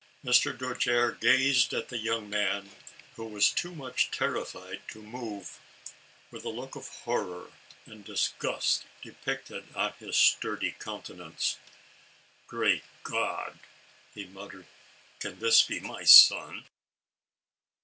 Mr. Dojere gazed at the young man, who was too much terrified to move, with a look of horror and disgust depicted on his sturdy countenance. "Great God," he muttered, "can this be my son